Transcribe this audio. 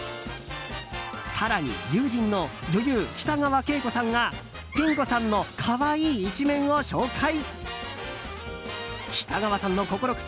更に友人の女優・北川景子さんがピン子さんの可愛い一面を紹介。